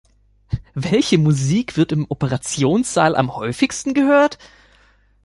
Welche Musik wird im Operationssaal am häufigsten gehört?